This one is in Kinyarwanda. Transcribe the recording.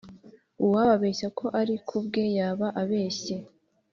uwababeshya ko ari ku bwe yaba abeshye